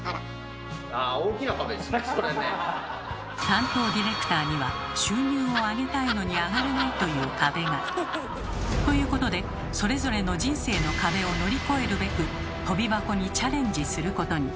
担当ディレクターには収入を上げたいのに上がらないという壁が。ということでそれぞれの人生の壁を乗り越えるべくとび箱にチャレンジすることに。